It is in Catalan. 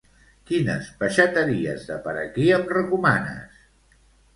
Quines peixateries de per aquí em recomanes?